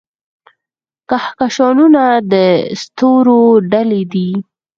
کهکشانونه د ستورو ډلې دي.